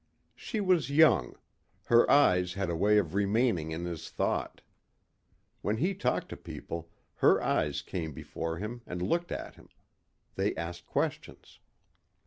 She was young. Her eyes had a way of remaining in his thought. When he talked to people, her eyes came before him and looked at him. They asked questions.